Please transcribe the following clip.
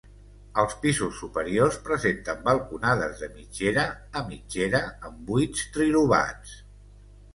Els pisos superiors presenten balconades de mitgera a mitgera, amb buits trilobats.